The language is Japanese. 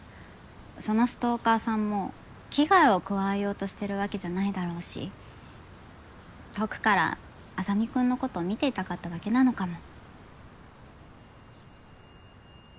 そのストーカーさんも危害を加えようとしてるわけじゃないだろうし遠くから莇君のこと見ていたかっただけなのかも。